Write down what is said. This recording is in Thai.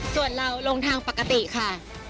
ส่วนเราลงทางปกติค่ะ